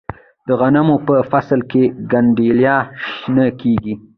د غنمو په فصل کې گنډیاله شنه کیږي.